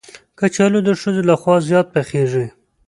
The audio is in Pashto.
کچالو د ښځو لخوا زیات پخېږي